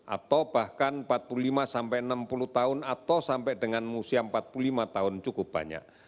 atau bahkan empat puluh lima sampai enam puluh tahun atau sampai dengan usia empat puluh lima tahun cukup banyak